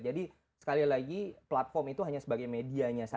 jadi sekali lagi platform itu hanya sebagai medianya saja